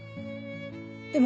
でも